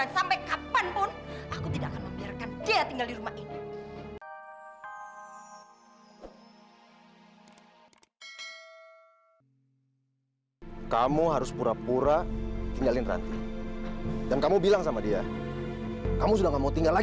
sampai jumpa di video selanjutnya